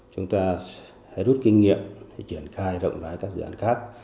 chúng ta hãy rút kinh nghiệm chuyển khai rộng rãi các dự án khác